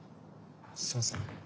すみません。